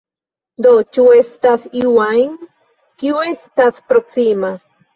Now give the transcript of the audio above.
Do, ĉu estas iu ajn, kiu estas proksima?